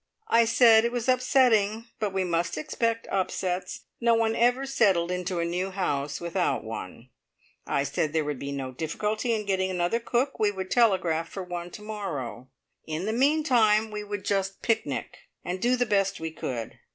I said it was upsetting, but we must expect upsets. No one ever settled into a new house without one. I said there would be no difficulty in getting another cook we would telegraph for one to morrow; in the meantime we would just picnic, and do the best we could.